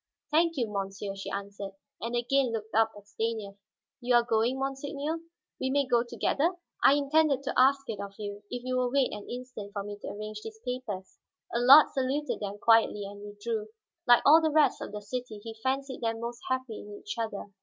"Thank you, monsieur," she answered, and again looked up at Stanief. "You are going, monseigneur? We may go together?" "I intended to ask it of you, if you will wait an instant for me to arrange these papers." Allard saluted them quietly, and withdrew. Like all the rest of the city, he fancied them most happy in each other.